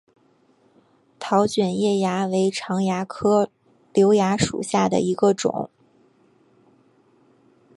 桃卷叶蚜为常蚜科瘤蚜属下的一个种。